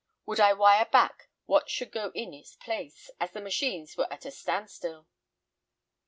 Would I wire back what should go in its place, as the machines were at a standstill?